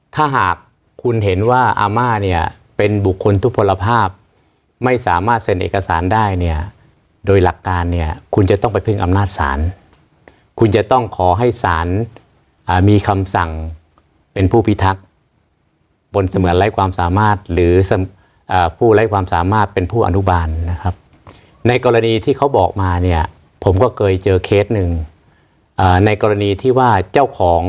ถ้าหากคุณเห็นว่าอาม่าเนี่ยเป็นบุคคลทุกพลภาพไม่สามารถเซ็นเอกสารได้เนี่ยโดยหลักการเนี่ยคุณจะต้องไปพึ่งอำนาจศาลคุณจะต้องขอให้ศาลมีคำสั่งเป็นผู้พิทักษ์บนเสมือนไร้ความสามารถหรือผู้ไร้ความสามารถเป็นผู้อนุบาลนะครับในกรณีที่เขาบอกมาเนี่ยผมก็เคยเจอเคสหนึ่งในกรณีที่ว่าเจ้าของ